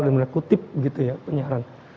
dan menutup penyiaran